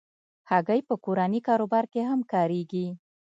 هګۍ په کورني کاروبار کې هم کارېږي.